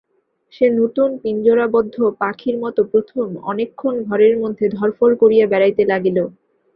সে নূতন পিঞ্জরাবদ্ধ পাখির মতো প্রথম অনেকক্ষণ ঘরের মধ্যে ধড়ফড় করিয়া বেড়াইতে লাগিল।